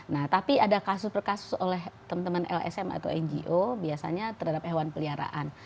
nah tapi ada kasus per kasus oleh teman teman lsm atau ngo biasanya terhadap hewan peliharaan